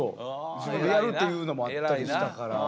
やるっていうのもあったりしたから。